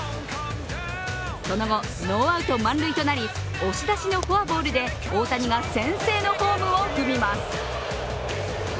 その後、ノーアウト満塁となり押し出しのフォアボールで大谷が先制のホームを踏みます。